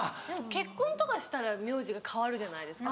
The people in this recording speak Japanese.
結婚とかしたら名字が変わるじゃないですか。